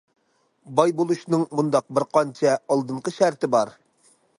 باي بولۇشنىڭ مۇنداق بىر قانچە ئالدىنقى شەرتى بار.